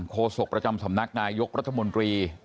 โศกประจำสำนักนายกรัฐมนตรี